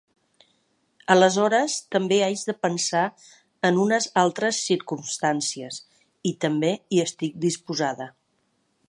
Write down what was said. Aleshores també haig de pensar en unes altres circumstàncies, i també hi estic disposada.